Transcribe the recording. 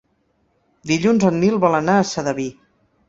Dilluns en Nil vol anar a Sedaví.